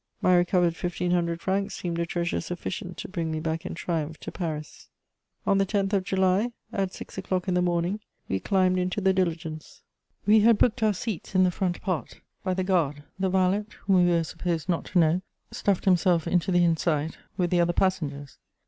My recovered fifteen hundred francs seemed a treasure sufficient to bring me back in triumph to Paris. On the 10th of July, at six o'clock in the morning, we climbed into the diligence: we had booked our seats in the front part, by the guard; the valet, whom we were supposed not to know, stuffed himself into the inside with the other passengers.